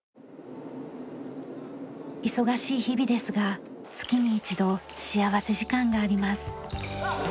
忙しい日々ですが月に一度幸福時間があります。